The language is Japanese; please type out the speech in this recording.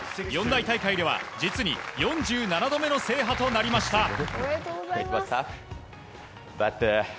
四大大会では、実に４７度目の制覇となりました。